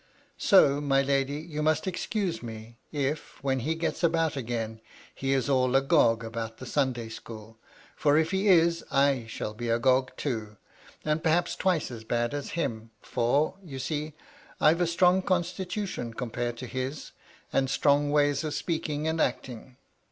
So, my lady, you must excuse me, if, when he gets about again, he is all agog about a Sunday school, for if he is, I shall be agog too, and perhaps twice as bad as him, for, you see, I've a strong constitution com pared to his, and strong ways of speaking and acting.